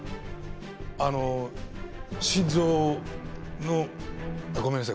あの心臓の。あっごめんなさい。